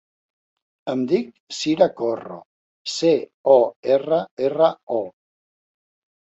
Em dic Cira Corro: ce, o, erra, erra, o.